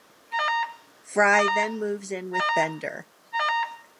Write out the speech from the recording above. Fry then moves in with Bender.